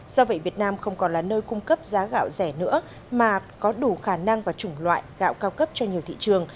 do vậy việt nam không còn là nơi cung cấp giá gạo rẻ nữa mà có đủ khả năng và chủng loại gạo cao cấp cho nhiều thị trường